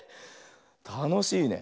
たのしいね。